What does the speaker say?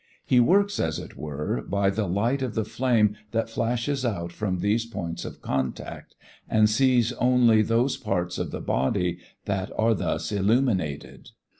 He works, as it were, by the light of the flame that flashes out from these points of contact, and sees only those parts of the body that are thus illuminated.